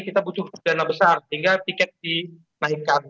kita butuh dana besar sehingga tiket dinaikkan